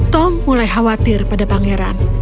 tom mulai khawatir pada pangeran